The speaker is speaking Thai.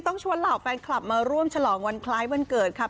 ต้องชวนเหล่าแฟนคลับมาร่วมฉลองวันคล้ายวันเกิดครับ